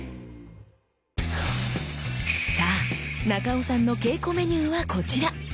さあ中尾さんの稽古メニューはこちら！